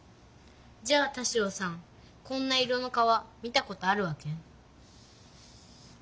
じゃあ田代さんこんな色の川見たことあるわけ？